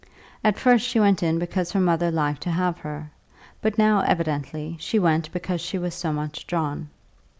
At first she went in because her mother liked to have her; but now, evidently, she went because she was so much drawn.